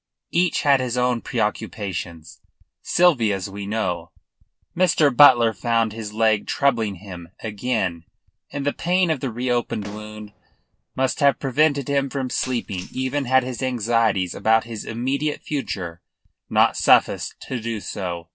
Each had his own preoccupations. Sylvia's we know. Mr. Butler found his leg troubling him again, and the pain of the reopened wound must have prevented him from sleeping even had his anxieties about his immediate future not sufficed to do so.